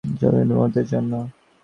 এটা জরুরি মুহুর্তের জন্য।